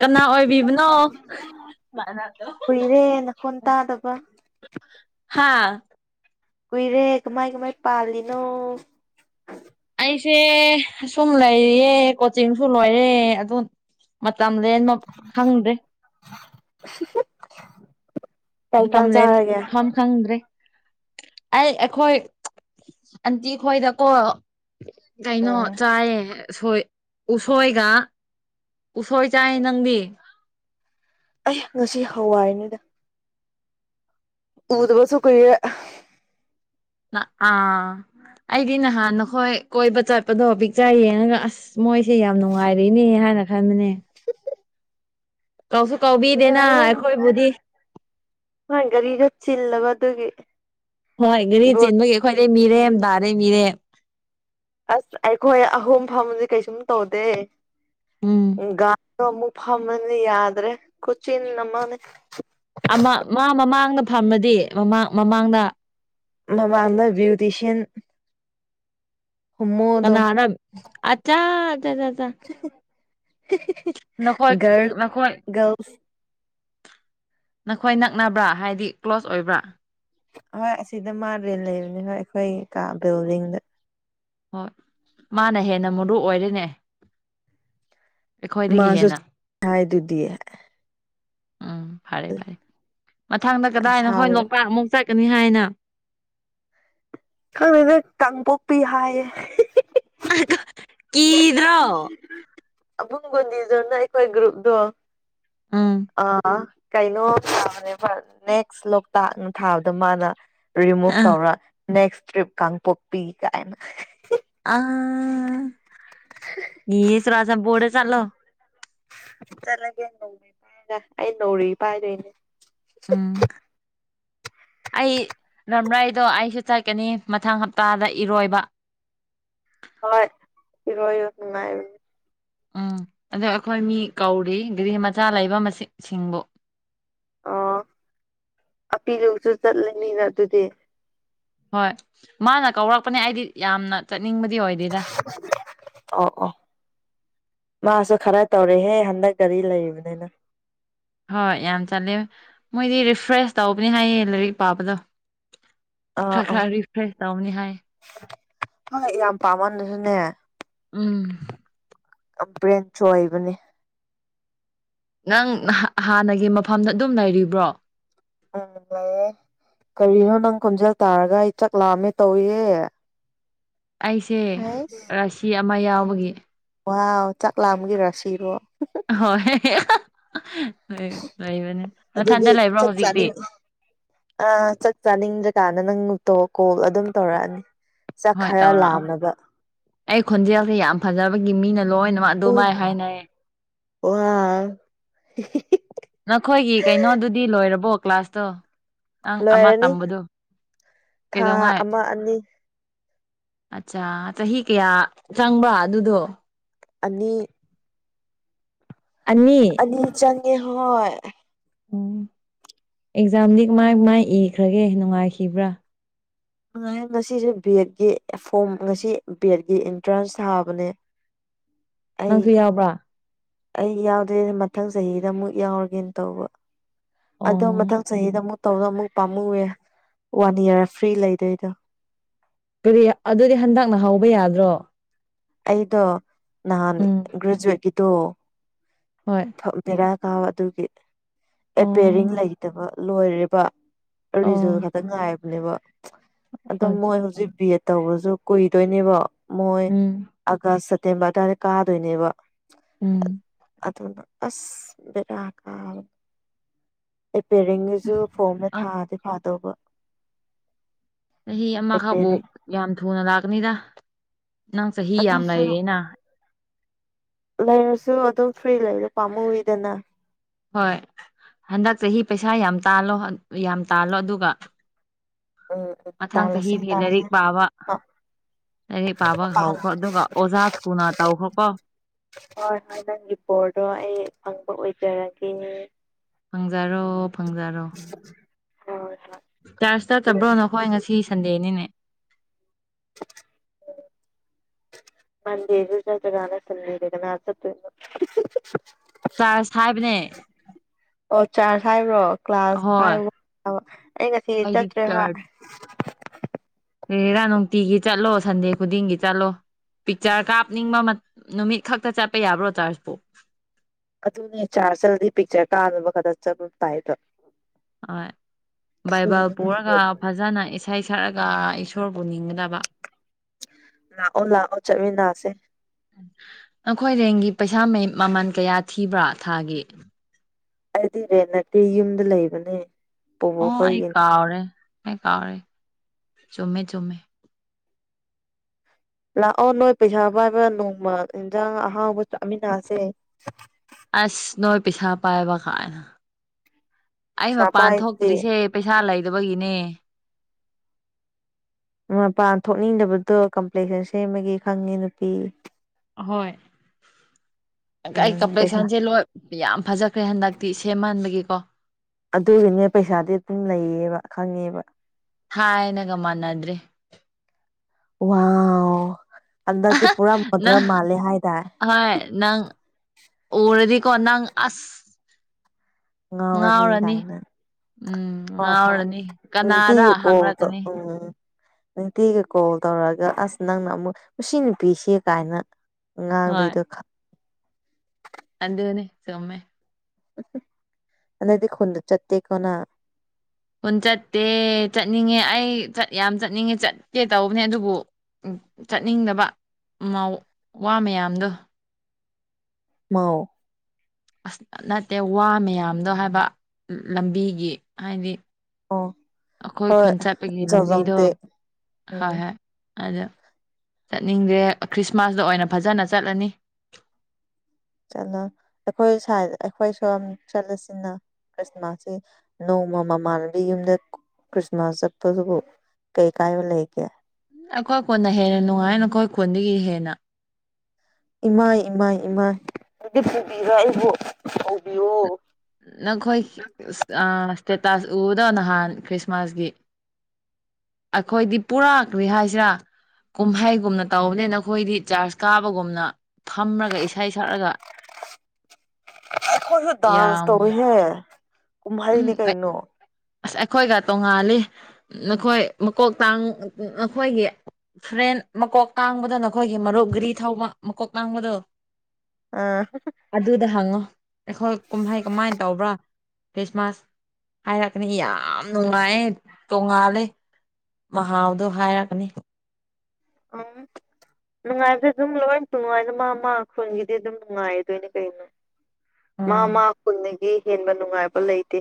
ꯀꯅꯥ ꯑꯣꯏꯕꯤꯕꯅꯣ ꯀꯨꯏꯔꯦ ꯅꯈꯣꯟ ꯇꯥꯗꯕ [inaudible] ꯍꯥꯥ ꯀꯨꯏꯔꯦ ꯀꯃꯥꯏ ꯀꯃꯥꯏ ꯄꯥꯜꯂꯤꯅꯣ ꯑꯩꯁꯦ ꯁꯨꯝ ꯂꯩꯔꯤꯌꯦ ꯀꯣꯆꯤꯡꯁꯨ ꯂꯣꯏꯔꯦ ꯑꯗꯨ ꯃꯠ ꯇꯝ ꯂꯦꯟꯕ ꯈꯪꯗ꯭ꯔꯦ ꯍ ꯍꯨꯞ ꯃꯇꯝ ꯂꯦꯟ ꯐꯝ ꯈꯪꯗ꯭ꯔꯦ ꯑꯩ ꯑꯩꯈꯣꯏ ꯑꯟꯇꯤ ꯈꯣꯏꯗꯀꯣ ꯀꯩꯅꯣ ꯎꯝ ꯆꯥꯏꯌꯦ ꯎꯁꯣꯏ ꯎꯁꯣꯏꯒ ꯎꯁꯣꯏ ꯆꯥꯏ ꯅꯪꯗꯤ ꯑꯩ ꯉꯁꯤ ꯍꯋꯥꯏꯅꯤꯗ ꯎꯗꯕꯁꯨ ꯀꯨꯏꯔꯦ ꯑꯥ ꯑꯩꯗꯤ ꯅꯍꯥꯟ ꯅꯈꯣꯏ ꯀꯣꯏꯕ ꯆꯠꯄꯗꯣ ꯄꯤꯛꯆꯔ ꯌꯦꯡꯉꯒ ꯑꯁ ꯃꯣꯏꯁꯦ ꯌꯥꯝ ꯅꯨꯡꯉꯥꯏꯔꯤꯅꯦ ꯍꯥꯏꯅ ꯈꯟꯕꯅꯦ ꯀꯧꯁꯨ ꯀꯧꯕꯤꯗꯦꯅ ꯑꯩꯈꯣꯏꯕꯨꯗꯤ ꯒꯔꯤꯒ ꯆꯤꯜꯂꯕ ꯑꯗꯨꯒꯤ ꯍꯣꯏ ꯒꯥꯔꯤ ꯕꯣꯜ ꯆꯤꯟꯕꯒꯤ ꯑꯩꯈꯣꯏꯗꯤ ꯃꯤꯔꯦꯝ ꯇꯥꯔꯦ ꯃꯤꯔꯦꯝ ꯑꯁ ꯑꯩꯈꯣꯏ ꯑꯍꯨꯝ ꯐꯝꯕꯗꯤ ꯀꯩꯁꯨꯝ ꯇꯧꯗꯦ ꯎꯝ ꯒꯥ ꯗꯣ ꯑꯃꯨꯛ ꯐꯝꯃꯅꯤ ꯌꯥꯗ꯭ꯔꯦ ꯈꯨꯆꯤꯟ ꯑꯃꯅꯤ ꯃꯥ ꯃꯥ ꯃꯃꯥꯡꯗ ꯐꯝꯃꯗꯤ ꯃꯃꯥꯡ ꯃꯃꯥꯡꯗ ꯃꯃꯥꯡꯗ ꯕ꯭ꯌꯨꯇꯤ ꯁꯤꯟ ꯍꯣꯃꯣꯗꯣ ꯀꯅꯥꯅ ꯑꯆꯥ ꯑꯆꯥ ꯆꯥ ꯆꯥ ꯅꯈꯣꯏ ꯒꯔꯜ ꯅꯈꯣꯏ ꯒꯔꯜꯁ ꯅꯈꯣꯏ ꯅꯛꯅꯕ꯭ꯔꯥ ꯍꯥꯏꯗꯤ ꯀ꯭ꯂꯣꯁ ꯑꯣꯏꯕ꯭ꯔꯥ ꯍꯣꯏ ꯑꯁꯤꯗ ꯃꯥ ꯔꯦꯟ ꯂꯩꯕꯅꯤ ꯍꯣꯏ ꯑꯩꯈꯣꯏ ꯀꯥ ꯕꯤꯜꯗꯤꯡꯗ ꯍꯣꯏ ꯃꯥꯅ ꯍꯦꯟꯅ ꯃꯔꯨ ꯑꯣꯏꯔꯦꯅꯦ ꯃꯥ ꯑꯩꯈꯣꯏꯗꯒꯤ ꯍꯦꯟꯅ ꯁꯁ ꯍꯥꯏꯗꯨꯗꯤ ꯎꯝ ꯐꯔꯦ ꯐꯔꯦ ꯃꯊꯪꯗ ꯀꯗꯥꯏꯅ ꯍꯣꯏ ꯁꯥꯎꯔꯤꯔꯥ ꯂꯣꯛꯇꯥꯛ ꯑꯃꯨꯛ ꯆꯠ ꯀꯅꯤ ꯍꯥꯏꯅ ꯈꯪꯅ ꯀꯥꯡꯄꯣꯛꯄꯤ ꯍꯥꯏꯌꯦ ꯀꯗ꯭ꯔꯣ ꯑꯕꯨꯡꯒꯣꯟꯗꯤꯤꯗꯅ ꯑꯩꯈꯣꯏ ꯒ꯭ꯔꯨꯞꯗ ꯎꯝ ꯑ ꯀꯩꯅꯣ ꯊꯥꯕꯅꯦ ꯅꯦꯛꯁ ꯂꯣꯛꯇꯥꯛꯅ ꯊꯥꯕꯗ ꯃꯥꯅ ꯔꯤꯃꯨꯚ ꯑꯥ ꯇꯧꯔ ꯅꯦꯛꯁ ꯇ꯭ꯔꯤꯞ ꯀꯥꯡꯄꯣꯛꯄꯤ ꯀꯥꯏꯅ ꯑ ꯃꯤꯁꯨꯔꯥꯁ ꯣꯣꯔ ꯆꯠꯂ ꯆꯠꯂꯒꯦ ꯅꯣꯡꯃꯩ ꯄꯥꯏꯔ ꯑꯩ ꯅꯧꯔꯤ ꯄꯥꯏꯗꯣꯏꯅꯦ ꯎꯝ ꯑꯩ ꯔꯝꯔꯥꯏꯗꯣ ꯑꯩꯁꯨ ꯆꯠꯀꯅꯤ ꯃꯊꯪ ꯍꯞꯇꯥꯗ ꯏꯔꯣꯏꯕ ꯍꯣꯏ ꯏꯔ ꯅꯨꯡꯉꯥꯏ ꯎꯝ ꯑꯗꯣ ꯑꯩꯈꯣꯏ ꯃꯤ ꯀꯧꯔꯤ ꯔꯤ ꯃꯆꯥ ꯂꯩꯕ ꯁꯤꯡꯕꯨ ꯑꯄꯤꯔꯧꯁꯨ ꯆꯠꯂꯅꯤꯅ ꯑꯗꯨꯗꯤ ꯍꯣꯏ ꯃꯥꯅ ꯀꯧꯔꯛꯄꯅꯦ ꯑꯩꯗꯤ ꯌꯥꯝꯅ ꯆꯠꯅꯤꯡꯕꯗꯤ ꯑꯣꯏꯗꯦꯗ ꯑꯣ ꯑꯣ ꯃꯥꯁ ꯈꯔ ꯇꯧꯔꯦꯍꯦ ꯍꯟꯗꯛ ꯀꯔꯤ ꯂꯩꯕꯅꯤꯅ ꯍꯣꯏ ꯌꯥꯝ ꯆꯠꯂꯦ ꯃꯣꯏꯗꯤ ꯔꯤꯐ꯭ꯔꯦꯁ ꯇꯧꯕꯅꯤ ꯍꯥꯏꯌꯦ ꯂꯥꯏꯔꯤꯛ ꯄꯥꯕꯗꯣ ꯑꯥ ꯈꯔ ꯑꯥ ꯈꯔ ꯔꯤꯐ꯭ꯔꯦꯁ ꯇꯧꯅꯤ ꯍꯥꯏ ꯍꯣꯏ ꯌꯥꯝ ꯄꯥꯝꯃꯅꯁꯨꯅꯦ ꯎꯝ ꯀꯝꯄ꯭ꯔꯦꯟꯁꯨ ꯍꯥꯏꯕꯅꯦ ꯅꯪ ꯅ ꯍꯥꯟꯅꯒꯤ ꯃꯐꯝꯗ ꯑꯗꯨꯝ ꯂꯩꯔꯤꯕ꯭ꯔꯣ ꯑꯂꯑꯦ ꯀꯔꯤꯅꯣ ꯅꯪ ꯈꯣꯟꯖꯦꯜ ꯇꯥꯔꯒ ꯑꯩ ꯆꯥꯛ ꯂꯥꯛꯑꯝꯃꯦ ꯇꯧꯏꯌꯦ ꯑꯩꯁꯦ ꯔꯥꯁꯤ ꯑꯃ ꯌꯥꯎꯕꯒꯤ ꯋꯥꯍ ꯆꯥꯛꯂꯥꯝꯒꯤ ꯔꯥꯁꯤꯔꯣ ꯍꯣꯏ ꯍ ꯑꯗꯨꯗꯤ ꯆꯥꯛ ꯍꯧꯖꯤꯛꯇꯤ ꯆꯥꯅꯤꯡ ꯑ ꯆꯥꯛ ꯆꯥꯅꯤꯡ ꯇꯥꯅ ꯅꯪꯇꯣ ꯀꯣꯜ ꯑꯗꯨꯝ ꯇꯧꯔꯛꯑꯅꯤ ꯆꯥꯛ ꯍꯣꯏ ꯈꯔ ꯇꯧꯔꯛꯑꯣ ꯂꯥꯝꯅꯕ ꯑꯩ ꯈꯣꯟꯖꯦꯜꯁꯦ ꯌꯥꯝ ꯐꯖꯕꯒꯤ ꯃꯤꯅ ꯂꯣꯏꯅꯃꯛ ꯑꯗꯨ ꯃꯥꯏ ꯍꯥꯏꯅꯩꯌꯦ ꯑꯣ ꯑ ꯅꯈꯣꯏꯒꯤ ꯀꯩꯅꯣꯗꯨꯗꯤ ꯂꯣꯏꯔꯕꯣ ꯀ꯭ꯂꯥꯁꯇꯣ ꯅꯪ ꯑꯃ ꯂꯣꯏꯔꯅꯤ ꯇꯝꯕꯗꯣ ꯊꯥ ꯀꯩꯗꯧꯉꯥꯏ ꯑꯃ ꯑꯅꯤ ꯑꯠꯆꯥ ꯆꯍꯤ ꯀꯌꯥ ꯆꯪꯕ ꯑꯗꯨꯗꯣ ꯑꯅꯤ ꯑꯅꯤ ꯑ ꯆꯪꯦ ꯍꯣꯏ ꯎꯝ ꯑꯦꯛꯖꯥꯝꯗꯤ ꯀꯃꯥꯏ ꯃꯥꯏ ꯏꯈ꯭ꯔꯒꯦ ꯅꯨꯡꯉꯥꯏꯈꯤꯕ꯭ꯔꯥ ꯉꯉꯥꯏ ꯉꯁꯤꯁꯦ ꯕꯤ ꯑꯦꯗꯀꯤ ꯐꯣꯝ ꯉꯁꯤ ꯕꯤ ꯑꯦꯗꯀꯤ ꯑꯦꯟꯇ꯭ꯔꯥꯟꯁ ꯊꯥꯕꯅꯦ [unintelligible] ꯑꯩ ꯅꯪꯈꯩ ꯌꯥꯕ꯭ꯔꯥ ꯑꯩ ꯌꯥꯎꯗ꯭ꯔꯦ ꯃꯊꯪ ꯆꯍꯤꯗ ꯑꯃꯨꯛ ꯌꯥꯎꯔꯒꯦꯅ ꯇꯧꯕ ꯑꯣ ꯑꯗꯣ ꯃꯊꯪ ꯆꯍꯤꯍꯤꯗ ꯑꯃꯨ ꯇꯧꯅ ꯑꯃꯨꯛ ꯄꯥꯝꯃꯨꯑꯦ ꯋꯥꯟ ꯏꯌꯥꯔ ꯐ꯭ꯔꯤ ꯂꯩꯗꯣꯏꯗꯣ ꯀꯔꯤ ꯑꯗꯨꯗꯤ ꯍꯟꯗꯛꯅ ꯍꯧꯕ ꯌꯥꯗ꯭ꯔꯣ ꯑꯩꯗꯣ ꯅꯍꯥꯟ ꯎꯝ ꯍꯣꯏ ꯒ꯭ꯔꯦꯖꯨꯋꯦꯠꯀꯤꯗꯣꯦꯔꯥ ꯀꯥ ꯑꯗꯨꯒꯤ ꯑꯦꯄꯦꯔꯤꯡ ꯑꯣ ꯂꯩꯇꯕ ꯂꯣꯏꯔꯤꯕ ꯑꯣ ꯔꯤꯖ ꯈꯛꯇ ꯉꯥꯏꯕꯅꯦꯕ ꯑꯗꯣ ꯑꯠꯆꯥ ꯃꯣꯏ ꯍꯧꯖꯤꯛ ꯕꯤ ꯑꯦꯠ ꯇꯧꯕꯁꯨ ꯀꯨꯏꯗꯣꯏꯅꯦꯕ ꯃꯣꯏ ꯎꯝ ꯑꯥꯒꯁ ꯁꯦꯞꯇꯦꯝꯕꯔ ꯇꯥꯔꯦ ꯀꯥꯗꯣꯏꯅꯦꯕ ꯎꯝ ꯑꯗꯨꯅ ꯑꯁ ꯕꯤꯔꯥꯀꯥ ꯑꯦꯔꯤꯄꯦꯌꯔꯤꯡꯒꯤꯁꯨ ꯐꯣꯝꯅ ꯑ ꯊꯥꯗꯤ ꯐꯥꯗꯧꯕ ꯆꯍꯤ ꯑꯃꯈꯛꯕꯨꯥꯎ ꯑꯦꯄꯦꯔꯤꯡ ꯌꯥꯝ ꯊꯨꯅ ꯂꯥꯛꯀꯅꯤꯗ ꯅꯪ ꯆꯍꯤ ꯌꯥꯝ ꯑꯗꯨꯁꯨ ꯂꯩꯌꯦꯦꯅ ꯂꯩꯔꯁꯨ ꯑꯗꯨꯝ ꯐ꯭ꯔꯤ ꯂꯩꯔ ꯄꯥꯝꯃꯨꯨꯏꯗꯅ ꯍꯣꯏ ꯍꯟꯗꯛ ꯆꯍꯤ ꯄꯩꯁꯥ ꯌꯥꯝ ꯇꯥꯜꯂꯣ ꯌꯥꯝ ꯇꯥꯜꯂꯣ ꯑꯗꯨꯒ ꯎꯝ ꯎꯝ ꯃꯊꯥꯡ ꯆꯍꯤ ꯇꯥꯜꯂꯁꯦ ꯐꯦ ꯇꯥꯜꯂꯁꯦ ꯂꯥꯏꯔꯤꯛ ꯄꯥꯕ ꯑꯩ ꯄꯥꯕ ꯃꯄꯥꯟ ꯍꯥꯎꯈ꯭ꯔꯣ ꯑꯗꯨꯒ ꯑꯣꯖꯥ ꯊꯨꯅ ꯇꯧꯈ꯭ꯔꯣꯀꯣ ꯍꯣꯏ ꯍꯣꯏ ꯅꯪꯒꯤ ꯕꯣꯔꯗꯣ ꯑꯩ ꯐꯪꯕ ꯑꯣꯏꯖꯔꯒꯦꯅꯦ ꯐꯪꯖꯔꯣ ꯐꯪꯖꯔꯣ ꯍꯣꯏ ꯍꯣꯏ ꯆꯔꯆ ꯆꯠꯠꯇꯕ꯭ꯔꯣꯅ ꯑꯩꯈꯣꯏ ꯉꯁꯤ ꯁꯟꯗꯦꯅꯤꯅꯦ ꯃꯟꯗꯦ ꯆꯇ ꯅ ꯊ ꯂꯩ ꯆꯥꯔꯖ ꯍꯥꯏꯕꯅꯦ ꯑꯣ ꯆꯥꯔꯖ ꯍꯥꯏꯕ꯭ꯔꯣ ꯀ꯭ꯂꯥꯁ ꯑꯍꯣꯏ ꯍꯥꯏꯕ ꯑꯩ ꯉꯁꯤ ꯑꯩꯗꯤ ꯆꯠꯇ꯭ꯔꯦ ꯍꯣꯏ ꯑꯦ ꯔꯥ ꯅꯨꯡꯇꯤꯒꯤ ꯆꯠꯂꯣ ꯁꯟꯗꯦ ꯈꯨꯗꯤꯡꯒꯤ ꯆꯠꯂꯣ ꯄꯤꯛꯆꯔ ꯀꯥꯞꯅꯤꯡꯕ ꯅꯨꯃꯤꯠ ꯈꯛꯇ ꯆꯠꯄ ꯌꯥꯕ꯭ꯔꯣ ꯆꯥꯔꯖꯄꯨ ꯑꯗꯨꯅꯦ ꯆꯥꯔ ꯆꯜꯗꯤ ꯄꯤꯛꯆꯔ ꯀꯥꯨꯅꯕ ꯈꯛꯇ ꯆꯠꯂꯨ ꯇꯥꯏꯕ ꯍꯣꯏ ꯕꯥꯏꯕꯜ ꯄꯨꯔꯒ ꯐꯖꯅ ꯏꯁꯩ ꯁꯛꯔꯒ ꯏꯁꯣꯔꯕꯨ ꯅꯤꯡꯒꯗꯕ [unintelligible] ꯂꯥꯛꯑꯣ ꯂꯥꯛꯑꯣ ꯆꯠꯃꯤꯟꯅꯁꯦ ꯅꯈꯣꯏꯔꯦꯡꯒꯤ ꯄꯩꯁꯥ ꯃꯌꯦꯛ ꯃꯃꯜ ꯀꯌꯥ ꯊꯤꯕ꯭ꯔꯥ ꯊꯥꯒꯤ ꯍꯥꯏꯗꯤ ꯏꯔꯦ ꯅꯠꯇꯦ ꯌꯨꯝꯗ ꯂꯩꯕꯅꯦ ꯄꯨꯕꯨ ꯑꯣ ꯑꯩ ꯈꯣꯏꯒꯤꯅꯦ ꯀꯥꯎꯔꯦ ꯑꯩ ꯀꯥꯎꯔꯦ ꯆꯨꯝꯃꯦ ꯆꯨꯝꯃꯦ ꯂꯥꯛꯑꯣ ꯅꯣꯏ ꯄꯩꯁꯥ ꯄꯥꯏꯕ ꯅꯣꯡꯃ ꯏꯟꯖꯥꯡ ꯑꯍꯥꯎꯕ ꯆꯥꯃꯤꯟꯅꯁꯦ ꯑꯁ ꯅꯣꯏꯦ ꯄꯤꯆꯥꯥ ꯄꯥꯕ ꯀꯥꯅ ꯑꯩ ꯄꯩꯁꯥ ꯃꯄꯥꯟ ꯄꯥꯏꯗꯨꯗꯤ ꯊꯣꯛꯇ꯭ꯔꯤꯁꯦ ꯄꯩꯁꯥ ꯂꯩꯗꯕꯒꯤꯅꯦ ꯃꯄꯥꯟ ꯊꯣꯛꯅꯤꯡꯗꯕꯗꯣ ꯀꯝꯄ꯭ꯂꯦꯛꯁꯟ ꯁꯦꯝꯃꯒꯤ ꯈꯪꯉꯦ ꯅꯨꯄꯤ ꯍꯣꯏ ꯀꯥꯏ ꯎꯝ ꯀꯄꯔꯦ ꯄꯩꯁꯥ ꯁꯖꯦ ꯂꯣꯏ ꯌꯥꯝ ꯐꯖꯈ꯭ꯔꯦ ꯍꯟꯗꯛꯇꯤ ꯁꯦꯝꯃꯟꯥꯟꯕꯒꯤꯀꯣ ꯑꯗꯨꯒꯤꯅꯦ ꯄꯩꯁꯥꯗꯤ ꯑꯗꯨꯝ ꯂꯩꯌꯦꯕ ꯈꯪꯉꯦꯕ ꯍꯅꯒꯃꯅꯗ꯭ꯔꯤ ꯋꯥ ꯍꯟꯗꯛꯇꯗꯤꯤ ꯄꯨꯔꯥ ꯃꯣꯗꯦꯜ ꯅꯪ ꯃꯥꯜꯂꯦ ꯍꯥꯏꯇꯥꯔꯦ ꯑꯣꯔꯗꯤ ꯀꯅꯥ ꯑꯁ ꯉꯔꯅꯤ ꯉꯥꯎꯔꯅꯤ ꯀꯥꯏꯅ ꯎꯝ ꯍꯣꯏ ꯉꯥꯎꯔꯅꯤ ꯀꯅꯥꯔ ꯍꯣꯏꯇꯤꯀꯗ ꯍꯪꯔꯛꯀꯅꯤ ꯎꯝ ꯅꯨꯡꯇꯤꯒ ꯀꯣꯜ ꯇꯧꯔꯛꯑꯒ ꯑꯁ ꯅꯪꯅ ꯑꯃꯨꯛ ꯁꯤ ꯅꯨꯄꯤꯁꯤ ꯀꯥꯏꯅ ꯉꯥꯡꯗꯣꯏꯗꯣ ꯈ ꯑꯗ ꯑꯗꯨꯅꯦ ꯆꯃꯦ ꯑꯗꯤ ꯈꯨ ꯆꯠꯦꯛ ꯀꯣꯟꯅꯥ ꯎꯟ ꯆꯠꯇꯦ ꯆꯠꯅꯤꯡꯉꯦ ꯑꯩ ꯌꯥꯝ ꯆꯠꯅꯤꯡꯉꯦ ꯆꯠꯀꯦ ꯇꯧꯕꯅꯦ ꯑꯗꯨꯕꯨ ꯆꯠꯅꯤꯡꯗꯕ ꯋꯥ ꯃꯌꯥꯝꯗꯣ ꯃꯥꯎ ꯑꯁ ꯅꯠꯇꯦ ꯋꯥ ꯃꯌꯥꯝꯗꯣ ꯍꯥꯏꯕ ꯂꯝꯕꯤꯒꯤ ꯍꯥꯏꯗꯤ ꯑꯣ ꯑꯩꯈꯣꯏ ꯍꯣꯏ ꯈꯨꯟ ꯆꯠꯄꯒꯤ ꯖꯥꯎ ꯖꯥꯎ ꯂꯝꯕꯤꯗꯣ ꯇꯦꯛ ꯍꯣꯏ ꯎꯝ ꯍꯣꯏ ꯑꯗ ꯆꯠꯅꯤꯡꯗꯦ ꯈ꯭ꯔꯤꯁꯃꯥꯁꯇ ꯑꯣꯏꯅ ꯐꯖꯅ ꯆꯠꯂꯅꯤ ꯆꯠꯂꯣ ꯑꯩꯈꯣꯏ ꯁ ꯑꯩꯈꯣꯏ ꯁꯝ ꯆꯠꯂꯁꯤꯅ ꯈ꯭ꯔꯤꯁꯃꯥꯁꯁꯤ ꯅꯣꯡꯃ ꯃꯃꯥꯟꯅꯕꯤ ꯌꯨꯝꯗ ꯈ꯭ꯔꯤꯁꯃꯥꯁ ꯆꯠꯄꯗꯨꯕꯨ ꯀꯩꯀꯥꯏ ꯂꯩꯒꯦ ꯑꯩꯈꯣꯏ ꯀꯣꯟꯅ ꯍꯦꯟꯅ ꯅꯨꯡꯉꯥꯏ ꯅꯈꯣꯏ ꯀꯣꯟꯗꯒꯤ ꯍꯦꯟꯅ ꯏꯃꯥꯏ ꯏꯃꯥꯏ ꯏꯃꯥꯏ ꯍꯥꯏꯗꯤ ꯄꯨꯕꯤꯔ ꯑꯩꯕꯨ ꯇꯧꯕꯤꯌꯣ ꯅꯈꯣꯏ ꯏꯁꯇꯦꯇꯥꯁ ꯎꯗꯕ ꯅꯍꯥꯟ ꯈ꯭ꯔꯤꯁꯃꯥꯁꯀꯤ ꯑꯩꯈꯣꯏꯗꯤ ꯄꯨꯔꯛꯀꯅꯤ ꯍꯥꯏꯁꯤꯔꯥ ꯀꯨꯝꯍꯩꯒꯨꯝꯅ ꯇꯧꯕꯅꯦ ꯅꯈꯣꯏꯗꯤ ꯆꯥꯔꯖ ꯀꯥꯕꯒꯨꯝꯅ ꯊꯝꯔꯒ ꯏꯁꯩ ꯁꯛꯂꯒ ꯌꯥꯝ ꯀꯣꯏꯍꯦ ꯎꯝ ꯀꯨꯍꯔꯤꯅꯤ ꯀꯩꯩꯅꯣ ꯑꯁ ꯑꯩꯈꯣꯏꯒ ꯇꯣꯡꯉꯥꯜꯂꯤ ꯅꯈꯣꯏ ꯃꯀꯣꯛꯇꯥꯡ ꯅꯈꯣꯏꯒꯤ ꯐ ꯇꯦꯟ ꯃꯀꯣꯛ ꯇꯥꯡꯕꯗ ꯅꯈꯣꯏꯒꯤ ꯃꯔꯨꯞ ꯒꯔꯤ ꯊꯧꯕ ꯃꯀꯣꯛ ꯇꯥꯡꯕꯗꯣ ꯑꯥ ꯑꯗꯨꯗ ꯍꯪꯉꯣ ꯑꯩꯈꯣꯏ ꯀꯨꯝꯍꯩ ꯀꯃꯥꯏꯅ ꯇꯧꯕ꯭ꯔꯥ ꯈ꯭ꯔꯤꯁꯃꯥꯁ ꯍꯥꯏꯔꯛ ꯅꯤ ꯌꯥꯝ ꯅꯨꯡꯉꯥꯏꯌꯦ ꯇꯣꯡꯉꯥꯜꯂꯦ ꯃꯍꯥꯎꯗꯣ ꯍꯥꯏꯔꯛꯀꯅꯤ ꯎꯝ ꯅꯨꯡꯉꯥꯏꯕꯗꯤ ꯑꯗꯨꯝ ꯂꯣꯏꯅ ꯅꯨꯡ ꯅꯨꯡꯉꯥꯏ ꯃꯥ ꯃꯥ ꯈꯨꯟꯒꯤꯗꯤ ꯑꯗꯨꯝ ꯅꯨꯡꯉꯥꯏꯗꯣꯏꯅꯦ ꯀꯩꯅꯣ ꯃꯥ ꯎꯝ ꯃꯥ ꯈꯨꯟꯗꯒꯤ ꯍꯦꯟꯕ ꯅꯨꯡꯉꯥꯏꯕ ꯂꯩꯇꯦ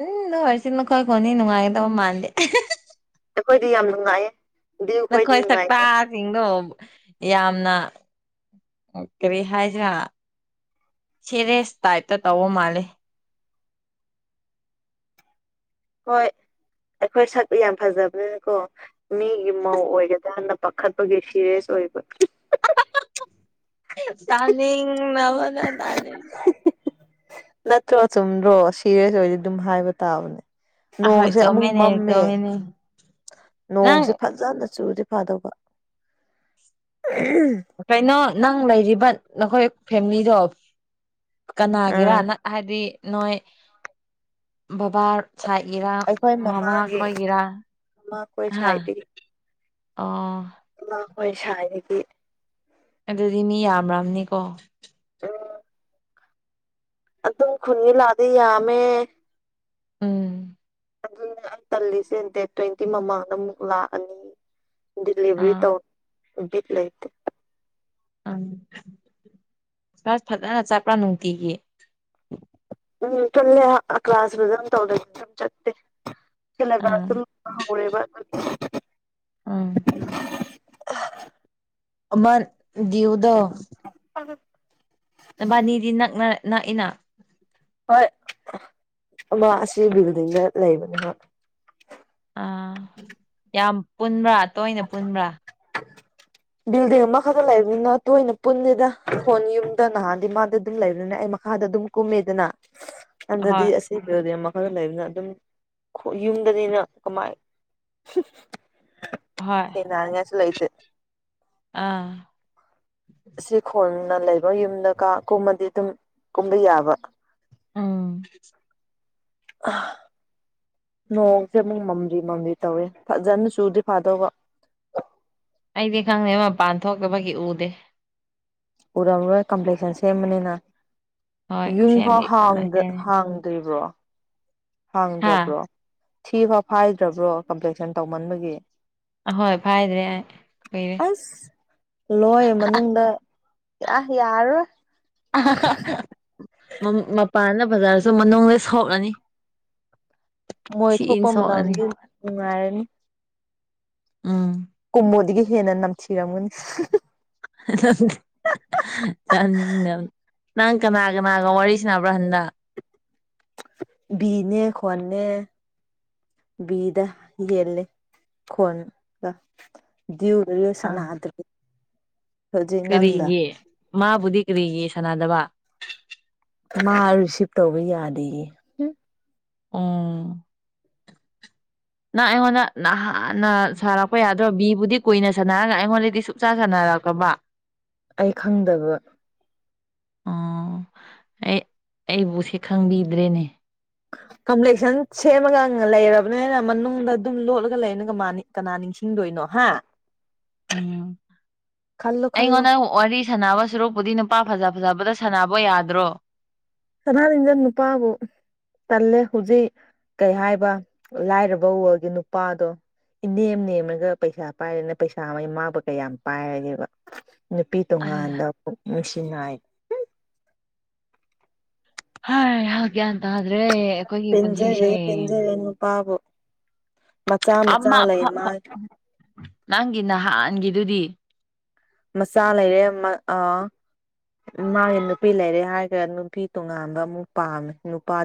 ꯎꯝ ꯅꯣꯏꯁꯤ ꯅꯈꯣꯏ ꯈꯨꯟꯗꯤ ꯅꯨꯡꯉꯥꯏꯒꯗꯕ ꯃꯥꯟꯗꯦ ꯑꯩꯈꯣꯏꯗꯤ ꯌꯥꯝ ꯅꯨꯡꯉꯥꯏꯌꯦ ꯑꯗꯨ ꯑꯩꯈꯣꯏꯗꯤ ꯅꯈꯣꯏ ꯁꯛꯇꯥ ꯅꯨꯡꯉꯥꯏꯇꯦ ꯁꯤꯡꯗꯣ ꯌꯥꯝꯅ ꯀꯔꯤ ꯍꯥꯏꯁꯤꯔ ꯁꯦꯔꯦꯁ ꯇꯥꯏꯞꯇ ꯇꯧꯕ ꯃꯥꯜꯂꯦ ꯍꯣꯏ ꯑꯩꯈꯣꯏ ꯁꯛ ꯌꯥꯝ ꯐꯖꯕꯅꯤꯅꯀꯣ ꯃꯤꯒꯤ ꯃꯧ ꯑꯣꯏꯒꯗꯔꯅ ꯄꯥꯈꯠꯄꯒꯤ ꯁꯤꯔꯌꯦꯁ ꯑꯣꯏꯕ ꯇꯥꯅꯤꯡꯗꯕꯗ ꯇꯥꯅꯤꯡ ꯅꯠꯇ꯭ꯔꯣ ꯆꯨꯝꯗ꯭ꯔꯣ ꯁꯤꯔꯤꯌꯁ ꯑꯣꯏꯔꯗꯤ ꯑꯗꯨꯝ ꯍꯥꯏꯕ ꯇꯥꯕꯅꯦ ꯑꯍꯣꯏ ꯅꯣꯡꯁꯦ ꯑꯃꯨꯛ ꯆꯨꯝꯃꯤꯅꯦ ꯃꯝꯃꯦ ꯆꯨꯝꯃꯤꯅꯦ ꯅꯪ ꯅꯣꯡꯁꯦ ꯐꯖꯅ ꯆꯨꯔꯗꯤ ꯐꯗꯧꯕ ꯀꯩꯅꯣ ꯅꯪ ꯂꯩꯔꯤꯕ ꯅꯈꯣꯏ ꯐꯦꯃꯤꯂꯤꯗꯣ ꯀꯅꯥꯒꯤꯔ ꯎꯝ ꯍꯥꯏꯗꯤ ꯅꯣꯏ ꯕꯕꯥ ꯁꯥꯏꯠꯀꯤꯔ ꯑꯩꯈꯣꯏ ꯃꯃꯥ ꯃꯃꯥꯒꯤ ꯈꯣꯏꯒꯤꯔꯥ ꯃꯈꯣꯏ ꯍꯥ ꯑ ꯈꯣꯏ ꯁꯋꯥꯥꯏꯗꯒꯤ ꯑꯗꯨꯗꯤ ꯃꯤ ꯌꯥꯝꯂꯝꯅꯤꯀꯣ ꯎꯝ ꯑꯗꯨꯝ ꯈꯨꯟꯒꯤ ꯂꯥꯛꯑꯗꯤ ꯌꯥꯝꯃꯦ ꯎꯝ ꯑꯗꯨꯅꯦ ꯑꯩ ꯇꯜꯂꯤꯁꯦ ꯗꯦꯠ ꯇ꯭ꯋꯦꯟꯇꯤ ꯃꯃꯥꯡꯗ ꯑꯃꯨꯛ ꯂꯥꯛꯑꯅꯤ ꯗꯤꯂꯤꯚꯔꯤ ꯑꯥ ꯇꯧꯕ ꯕꯤꯠ ꯂꯩꯇꯦ ꯎꯝ ꯈꯁ ꯐꯖꯅ ꯆꯠꯄ꯭ꯔ ꯅꯨꯡꯇꯤꯒꯤ ꯎꯝ ꯆꯠꯂꯦ ꯀ꯭ꯂꯥꯁ ꯐꯖꯅ ꯇꯧꯗꯦ ꯑꯥ ꯁꯦꯂꯦꯕꯁꯁꯨ ꯂꯣꯏꯔꯦꯕ ꯑꯥ [unintelligible] ꯑꯃ ꯗꯌꯨꯗꯣ [unintelligible] ꯅꯛꯏꯅ ꯍꯣꯏ ꯑꯃ ꯑꯁꯤ ꯕꯤꯜꯗꯤꯡꯗ ꯂꯩꯕꯅꯤꯕ ꯑꯥ ꯌꯥꯝ ꯄꯨꯟꯕ꯭ꯔ ꯇꯣꯏꯅ ꯄꯨꯟꯕ꯭ꯔ ꯕꯤꯜꯗꯤꯡ ꯑꯃꯈꯛꯇ ꯂꯩꯕꯅꯤꯅ ꯇꯣꯏꯅ ꯄꯨꯟꯁꯗꯦꯗ ꯍꯣꯏ ꯌꯨꯝꯗ ꯅꯍꯥꯟꯗꯤ ꯃꯥꯗꯤ ꯑꯗꯨꯝ ꯂꯩꯕꯅꯦ ꯑꯩ ꯃꯈꯥꯗ ꯑꯗꯨꯝ ꯀꯨꯝꯃꯦꯗꯅ ꯍꯥꯟꯅꯗꯤ ꯍꯣꯏ ꯑꯁꯤ ꯕꯤꯜꯗꯤꯡ ꯃꯈꯥ ꯈꯔ ꯂꯩꯕꯅ ꯑꯗꯨꯝ ꯑꯩꯈꯣꯏ ꯌꯨꯝꯗꯅꯤꯅ ꯀꯃꯥꯏ ꯍꯣꯏ ꯊꯦꯡꯅꯅꯤꯉꯥꯏꯁꯨ ꯂꯩꯇꯦ ꯑꯥ ꯑꯁꯤ ꯈꯣꯡꯅ ꯂꯩꯕ ꯌꯨꯝꯗꯒ ꯀꯨꯝꯃꯗꯤ ꯑꯗꯨꯝ ꯀꯨꯝꯕ ꯌꯥꯕ ꯎꯝ ꯑꯥ ꯅꯣꯡꯁꯦ ꯑꯃꯨꯛ ꯃꯝꯂꯤ ꯃꯝꯂꯤ ꯇꯧꯋꯦ ꯐꯖꯅ ꯆꯨꯔꯗꯤ ꯐꯗꯧꯕ ꯑꯩꯗꯤ ꯈꯪꯗꯦ ꯃꯄꯥꯜ ꯊꯣꯛꯇꯕꯒꯤ ꯎꯗꯦ ꯎꯔꯝꯔꯣꯏ ꯀꯝꯄ꯭ꯂꯦꯛꯁꯟ ꯁꯦꯝꯕꯅꯤꯅ ꯍꯣꯏ ꯌꯨꯝ ꯐꯥꯎ ꯁꯦꯝꯒꯦ ꯀꯟꯅ ꯍꯥꯡꯗ ꯁꯦꯝꯃꯤ ꯍꯥꯡꯗꯔꯤꯕꯣ ꯍꯥ ꯍꯥꯡꯗ꯭ꯔꯕ꯭ꯔꯣ ꯊꯤꯕꯥꯎ ꯐꯥꯏꯗ꯭ꯔꯕ꯭ꯔꯣ ꯀꯝꯄ꯭ꯂꯦꯛꯁꯟ ꯇꯧꯃꯟꯕꯒꯤ ꯑꯍꯣꯏ ꯐꯥꯏꯗ꯭ꯔꯦ ꯑꯩ ꯀꯨꯏꯔꯦ ꯑꯁ ꯂꯣꯏ ꯃꯅꯨꯡꯗ ꯑ ꯌꯥꯔꯔꯣꯏ ꯃꯄꯥꯜꯗ ꯕꯖꯥꯔꯁꯨ ꯃꯅꯨꯡꯗ ꯁꯣꯛꯂꯅꯤ ꯃꯣꯏ ꯊꯤꯅ ꯊꯣꯛꯄ ꯁꯣꯛꯂꯅꯤ ꯃꯇꯝꯗꯤ ꯅꯨꯡꯉꯥꯏꯔꯅꯤ ꯎꯝ ꯀꯨꯝꯃꯣꯗꯒꯤ ꯍꯦꯟꯅ ꯅꯝꯊꯤꯔꯝꯒꯅꯤ ꯍ ꯆꯥꯅꯤꯡꯗꯕ ꯅꯪ ꯀꯅꯥ ꯀꯅꯥꯒ ꯋꯥꯔꯤꯁꯤꯅꯕ꯭ꯔꯥ ꯍꯟꯗ ꯅꯦ ꯈꯣꯟꯅ ꯗ ꯌꯦꯂꯦ ꯀꯣꯟꯒ ꯔꯤꯌꯣꯁꯅ ꯑꯥ ꯑꯗꯨꯗꯤ ꯀꯔꯤꯒꯤ ꯃꯥꯕꯨꯗꯤ ꯀꯔꯤꯒꯤ ꯁꯅꯥꯗꯕ ꯃꯥ ꯔꯤꯁꯤꯞ ꯇꯧꯕ ꯌꯥꯗꯌꯦ ꯎꯝ ꯅꯪ ꯑꯩꯉꯣꯟꯗ ꯅꯍꯥꯟꯅ ꯁꯥꯔꯛꯄ ꯌꯥꯗ꯭ꯔꯣ ꯕꯤꯕꯨꯗꯤ ꯀꯨꯏꯅ ꯁꯥꯟꯅꯔꯒ ꯑꯩꯉꯣꯟꯗꯗꯤ ꯁꯨꯡꯆꯥ ꯁꯥꯟꯅꯔꯦ ꯀꯝꯕ ꯑꯩ ꯈꯪꯗꯕ ꯑꯣ ꯑꯩ ꯑꯩꯕꯨꯁꯦ ꯈꯪꯕꯤꯗ꯭ꯔꯦꯅꯦ ꯀꯝꯄ꯭ꯂꯦꯛꯁꯟ ꯁꯦꯝꯃꯒ ꯂꯩꯔꯕꯅꯤꯅ ꯃꯅꯨꯡꯗ ꯑꯗꯨꯝ ꯂꯣꯠꯂꯒ ꯂꯩꯅꯒꯅꯤ ꯀꯅꯥ ꯅꯤꯡꯁꯤ ꯁꯤꯤꯡꯗꯣꯏꯅꯣ ꯍꯥ ꯎꯝ ꯈꯜꯂꯣ ꯈꯜꯂꯣ ꯑꯩꯉꯣꯟꯗ ꯋꯥꯔꯤ ꯁꯥꯟꯅꯕ ꯁꯨꯔꯣꯛꯄꯨꯗꯤ ꯅꯨꯄꯥ ꯐꯖ ꯐꯖꯕꯗ ꯁꯥꯟꯅꯕ ꯌꯥꯗ꯭ꯔꯣ ꯁꯅꯥ ꯅꯤꯡꯟꯖꯟ ꯅꯨꯄꯥꯕꯨ ꯇꯜꯂꯦ ꯍꯧꯖꯤꯛ ꯀꯩ ꯍꯥꯏꯕ ꯂꯥꯏꯔꯕ ꯎꯔꯒꯤ ꯅꯨꯄꯥꯗꯣ ꯏ ꯅꯦꯝ ꯅꯦꯝꯔꯒ ꯄꯩꯁꯥ ꯄꯥꯏꯔꯦꯅ ꯄꯩꯁꯥ ꯑꯃꯃꯥꯕ ꯀꯌꯥꯝ ꯌꯥꯝ ꯄꯥꯏꯔꯒꯦꯕ ꯅꯨꯄꯤ ꯇꯣꯉꯥꯟꯗ ꯄꯨꯛ ꯅꯨꯡꯁꯤꯅꯏ ꯍꯥꯏꯍ ꯒ꯭ꯌꯥꯟ ꯇꯥꯗ꯭ꯔꯦ ꯑꯩꯈꯣꯏꯒꯤ ꯄꯦꯟꯖꯔꯦ ꯄꯨꯟꯁꯤꯁꯦ ꯄꯦꯟꯖꯔꯦ ꯅꯨꯄꯥꯕꯨ ꯃꯆꯥ ꯃꯆꯥ ꯑꯃ ꯂꯩ ꯃꯥ ꯅꯪꯒꯤ ꯅꯍꯥꯟꯥꯟꯒꯤꯗꯨꯗꯤ ꯃꯆꯥ ꯂꯩꯔꯦ ꯑ ꯃꯥꯒꯤ ꯅꯨꯄꯤ ꯂꯩꯔꯦ ꯍꯥꯏꯈ꯭ꯔ ꯅꯨꯄꯤ ꯇꯣꯉꯥꯟꯕ ꯑꯃꯨꯛ ꯄꯥꯝꯃꯦ ꯅꯨꯄꯥꯗꯤ